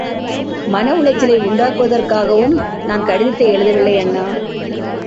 மன உளைச்சலை உண்டாக்குவதற்காகவும் நான் அக்கடிதத்தை எழுதவில்லை அண்ணா!